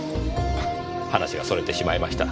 話が逸れてしまいました。